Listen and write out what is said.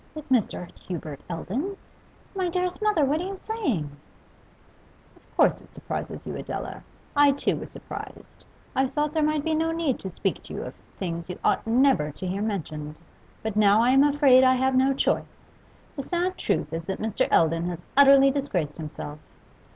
'With Mr. Hubert Eldon? My dearest mother, what are you saying?' 'Of course it surprises you, Adela. I too was surprised. I thought there might be no need to speak to you of things you ought never to hear mentioned, but now I am afraid I have no choice. The sad truth is that Mr. Eldon has utterly disgraced himself.